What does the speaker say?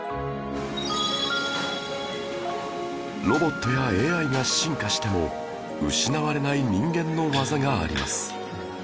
ロボットや ＡＩ が進化しても失われない人間の技があります